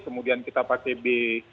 kemudian kita pakai b tiga puluh